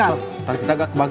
hah pak cil datang